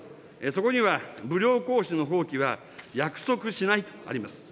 そこには武力行使の放棄は約束しないとあります。